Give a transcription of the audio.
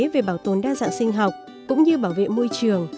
về bảo tồn đa dạng sinh học cũng như bảo vệ môi trường